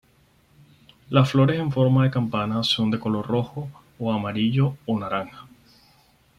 Las flores en forma de campana son de color rojo o amarillo o naranja.